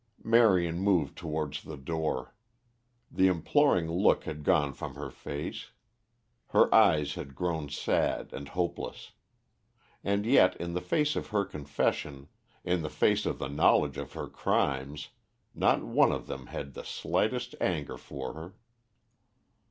Marion moved towards the door. The imploring look had gone from her face; her eyes had grown sad and hopeless. And yet in the face of her confession, in face of the knowledge of her crimes, not one of them had the slightest anger for her.